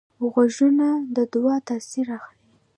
غوږونه د دعا تاثیر اخلي